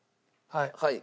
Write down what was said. はい。